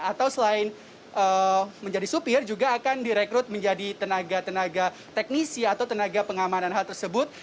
atau selain menjadi supir juga akan direkrut menjadi tenaga tenaga teknisi atau tenaga pengamanan hal tersebut